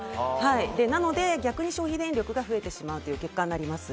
なので逆に消費電力が増えてしまう結果になります。